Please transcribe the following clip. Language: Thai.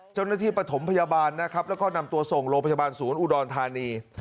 เจ้าหน้าที่ปฐมพยาบาลนะครับแล้วก็นำตัวส่งโรปพยาบาลศูนย์อุดรณ์ธานี